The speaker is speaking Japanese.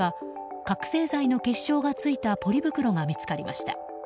覚醒剤の結晶が付いたポリ袋が見つかりました。